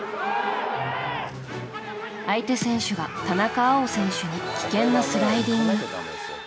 相手選手が田中碧選手に危険なスライディング。